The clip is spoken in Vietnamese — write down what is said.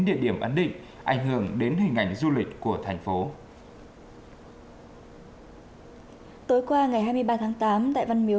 địa điểm ấn định ảnh hưởng đến hình ảnh du lịch của thành phố tối qua ngày hai mươi ba tháng tám tại văn miếu